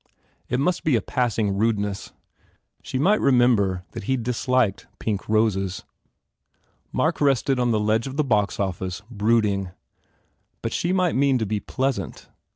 It must be a passing rudeness. She might remember that he disliked pink roses. Mark rested on the ledge of the box office, brooding. But she might mean to be pleasant.